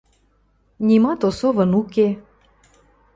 – Нимат осовын уке.